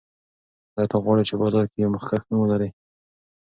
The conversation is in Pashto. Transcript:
آیا ته غواړې چې په بازار کې یو مخکښ نوم ولرې؟